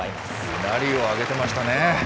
うなりを上げてましたね。